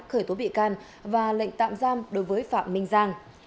khởi tố bị can và lệnh tạm giam đối với phạm minh giang